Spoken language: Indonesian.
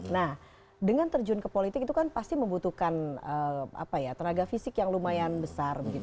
nah dengan terjun ke politik itu kan pasti membutuhkan tenaga fisik yang lumayan besar